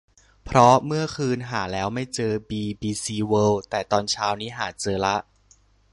เพราะเมื่อคืนหาแล้วไม่เจอบีบีซีเวิลด์ แต่ตอนเช้านี่หาเจอละ